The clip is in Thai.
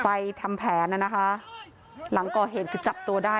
ไปทำแผนหลังกองเหตุคือจับตัวได้